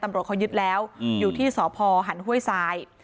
ตำรวจเขายึดแล้วอยู่ที่สพหันห้วยทราย